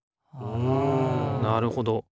うんなるほど。